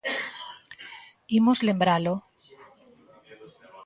Imos lembralo.